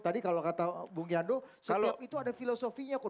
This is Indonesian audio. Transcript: tadi kalau kata bung yando setiap itu ada filosofinya kok